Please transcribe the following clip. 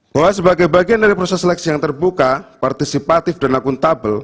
bahwa sebagai bagian dari proses seleksi yang terbuka partisipatif dan akuntabel